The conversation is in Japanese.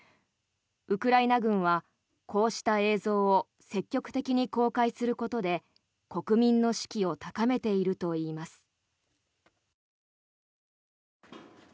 ウクライナ軍は、こうした映像を積極的に公開することで国民の士気を高めているといいます。